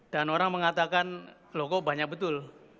dan orang mengatakan loh kok banyak betul